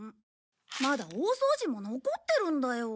まだ大掃除も残ってるんだよ。